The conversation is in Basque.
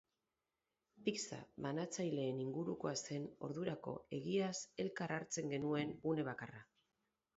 Pizza banatzaileen ingurukoa zen ordurako egiaz elkar hartzen genuen une bakarra.